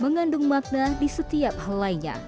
mengandung makna di setiap helainya